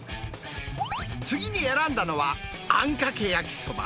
次に選んだのは、あんかけ焼きそば。